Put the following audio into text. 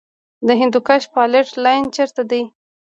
د هندوکش فالټ لاین چیرته دی؟